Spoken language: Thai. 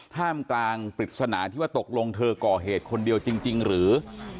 ท่ามกลางปริศนาที่ว่าตกลงเธอก่อเหตุคนเดียวจริงหรือ